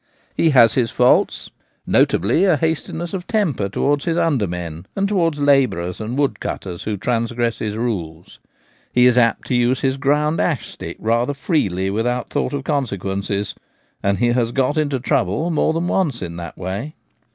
He has his faults : notably, a hastiness of temper A Good Hater. 17 towards his undermen, and towards labourers and wood cutters who transgress his rules. He is apt to use his ground ash stick rather freely without thought of consequences, and has got into trouble more than once in that way.